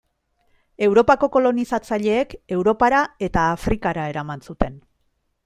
Europako kolonizatzaileek Europara eta Afrikara eraman zuten.